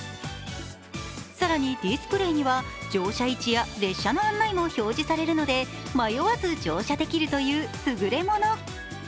更にディスプレーには乗車位置や列車の案内も表示されるので、迷わず乗車できるというすぐれもの。